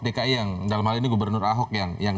dki yang dalam hal ini gubernur ahok yang